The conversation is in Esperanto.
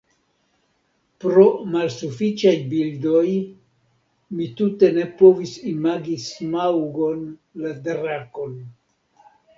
Pro malsufiĉaj bildoj mi tute ne povis imagi Smaŭgon, la drakon.